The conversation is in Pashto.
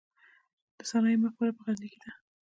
د سنايي مقبره په غزني کې ده